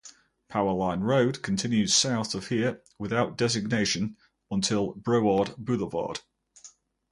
Powerline Road continues south of here without designation until Broward Boulevard.